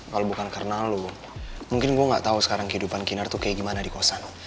kalau bukan karena lo mungkin gue gak tau sekarang kehidupan kinar tuh kayak gimana di kosan